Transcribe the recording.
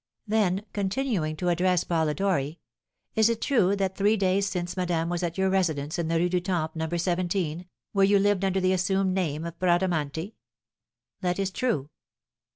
Then continuing to address Polidori, 'Is it true that three days since madame was at your residence in the Rue du Temple, No. 17, where you lived under the assumed name of Bradamanti?' "'That is true.'